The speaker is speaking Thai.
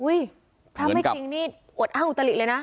พระไม่จริงนี่อดอ้างอุตลิเลยนะ